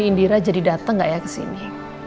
ini indira jadi dateng gak ya kesini